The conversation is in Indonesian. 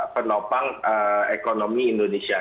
penopang ekonomi indonesia